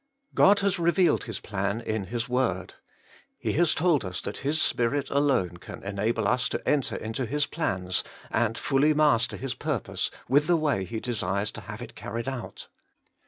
God has revealed His plan in His Word. He has told us that His Spirit alone can enable us to enter into His plans, and fully master His purpose with the way he desires to have it carried out.